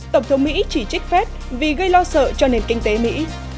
tổng thống mỹ chỉ trích phép vì gây lo sợ cho nền kinh tế mỹ